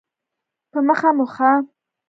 په مخه مو ښه.